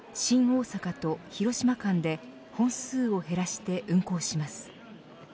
大阪と広島間で本数を減らして運行します。